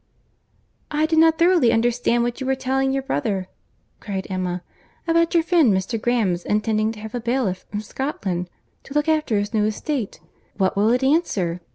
"I did not thoroughly understand what you were telling your brother," cried Emma, "about your friend Mr. Graham's intending to have a bailiff from Scotland, to look after his new estate. What will it answer?